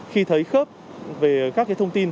khi thấy khớp về các thông tin